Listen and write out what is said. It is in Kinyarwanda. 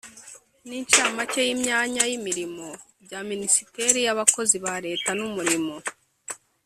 n’incamake y’imyanya y’imirimo bya minisiteri y’abakozi ba leta n’umurimo